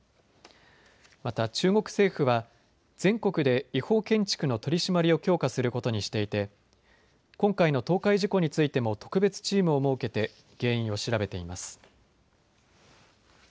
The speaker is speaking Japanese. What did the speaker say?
また中国政府は全国で違法建築の取締りを強化することにしていて今回の倒壊事故についても特別チームを設けて原因を調べています。